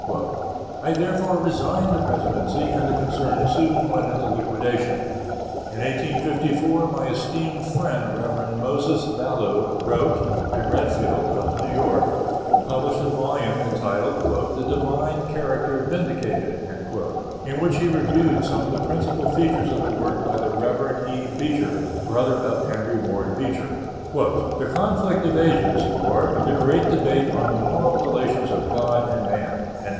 I therefore resigned the presidency and the concern soon went into liquidation. In 1854, my esteemed friend, Reverend Moses Ballou, wrote, and Redfield, of New York, published a volume entitled "The Divine Character Vindicated" in which he reviewed some of the principal features of a work by the Rev. E. Beecher, brother of Henry Ward Beecher, "The Conflict of Ages; or, the Great Debate on the Moral Relations of God and Man."